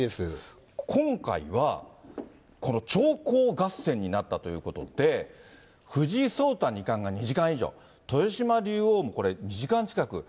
今回は長考合戦になったということで、藤井聡太二冠が２時間以上、豊島竜王もこれ２時間近く。